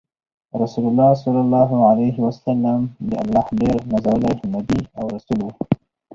رسول الله ص د الله ډیر نازولی نبی او رسول وو۔